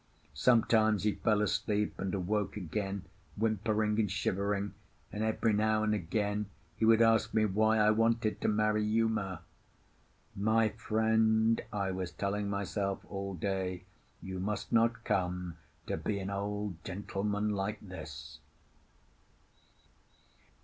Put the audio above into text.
Sometimes he fell asleep, and awoke again, whimpering and shivering, and every now and again he would ask me why I wanted to marry Uma. "My friend," I was telling myself all day, "you must not come to be an old gentleman like this."